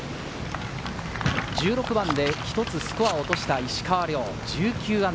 １６番で一つスコアを落とした石川遼、−１９。